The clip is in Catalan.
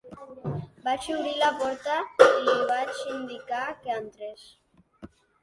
Vaig obrir la porta i li vaig indicar que entrés.